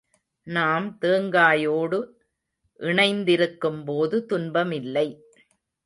நாம் தேங்காயோடு இணைந்திருக்கும் போது துன்பமில்லை.